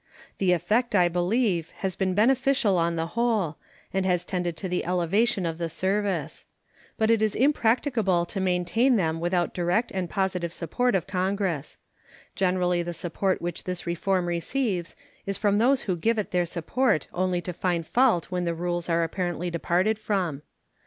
The effect, I believe, has been beneficial on the whole, and has tended to the elevation of the service. But it is impracticable to maintain them without direct and positive support of Congress. Generally the support which this reform receives is from those who give it their support only to find fault when the rules are apparently departed from.